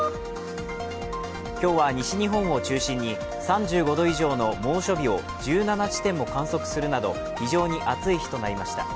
今日は西日本を中心に３５度以上の猛暑日を１７地点も観測するなど非常に暑い日となりました。